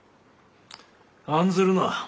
案ずるな。